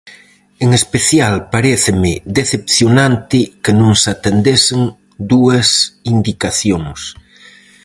En especial paréceme decepcionante que non se atendesen dúas indicacións.